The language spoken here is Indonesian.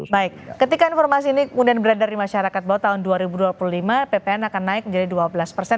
baik ketika informasi ini kemudian beredar di masyarakat bahwa tahun dua ribu dua puluh lima ppn akan naik menjadi dua belas persen